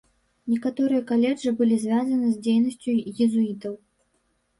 Некаторыя каледжы былі звязаны з дзейнасцю езуітаў.